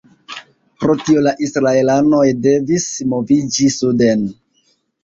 Pro tio la israelanoj devis moviĝi suden.